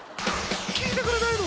聞いてくれないの？